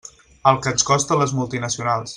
El que ens costen les multinacionals.